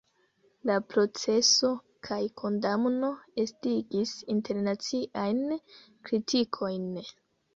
La proceso kaj kondamno estigis internaciajn kritikojn.